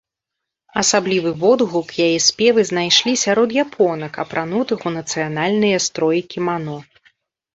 Асаблівы водгук яе спевы знайшлі сярод японак, апранутых у нацыянальныя строі кімано.